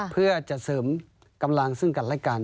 เพื่อจะเสริมกำลังซึ่งกันและกัน